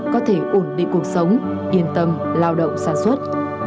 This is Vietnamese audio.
có thể ổn định cuộc sống yên tâm lao động sản xuất